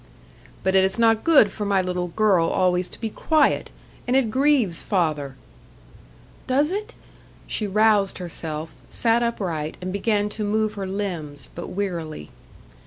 "But it is not good for my little girl always to be quiet, and it grieves father." "Does it?" She roused herself, sat upright, and began to move her limbs, but wearily.